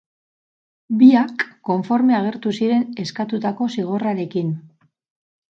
Biak konforme agertu ziren eskatutako zigorrarekin.